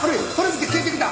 消えてきた！